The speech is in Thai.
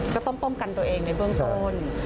ก็ต้องป้องกันตัวเองในเบื้องต้น